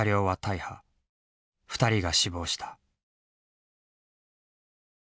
２人が死亡した。